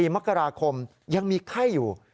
๔มกราคมยังมีไข้อยู่